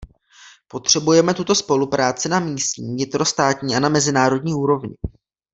Potřebujeme tuto spolupráci na místní, vnitrostátní a na mezinárodní úrovni.